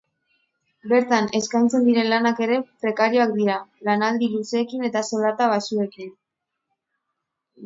Bertan eskaintzen diren lanak ere prekarioak dira, lanaldi luzeekin eta soldata baxuekin.